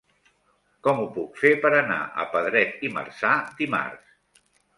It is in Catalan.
Com ho puc fer per anar a Pedret i Marzà dimarts?